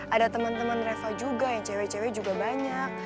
ada temen temen reva juga yang cewek cewek juga banyak